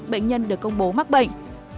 bệnh nhân được công bố mắc bệnh